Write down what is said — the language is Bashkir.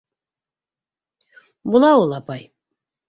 — Була ул, апай.